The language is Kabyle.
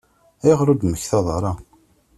Ayɣer ur d-temmektaḍ ara?